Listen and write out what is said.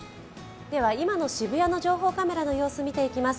今の渋谷の情報カメラの様子を見ていきます